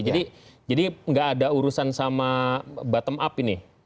jadi nggak ada urusan sama bottom up ini